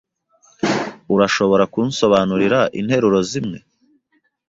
Urashobora kunsobanurira interuro zimwe?